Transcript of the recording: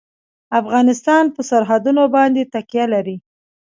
افغانستان په سرحدونه باندې تکیه لري.